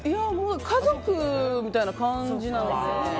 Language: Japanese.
家族みたいな感じなので。